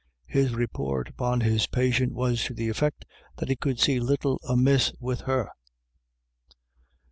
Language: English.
His report upon his patient was to the effect that he could see little amiss with her.